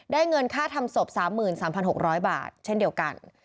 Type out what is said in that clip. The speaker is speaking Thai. เงินค่าทำศพ๓๓๖๐๐บาทเช่นเดียวกัน